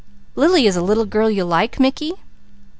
Lily is a little girl you like, Mickey?"